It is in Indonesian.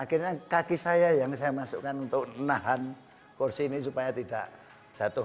akhirnya kaki saya yang saya masukkan untuk nahan kursi ini supaya tidak jatuh